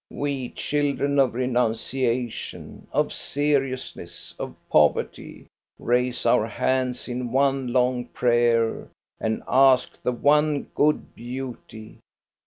We, children of renunciation, of seriousness, of pov erty, raise our hands in one long prayer, and ask the one good: beauty.